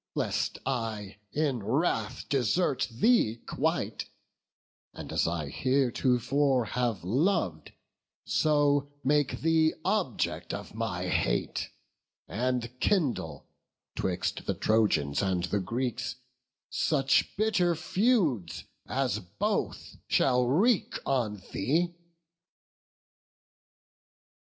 lest I in wrath Desert thee quite, and as I heretofore Have lov'd, so make thee object of my hate; And kindle, 'twixt the Trojans and the Greeks, Such bitter feuds, as both shall wreak on thee."